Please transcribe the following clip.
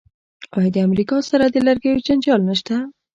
آیا د امریکا سره د لرګیو جنجال نشته؟